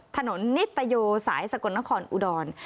ถนนนิตโยสายสกลนครอุดร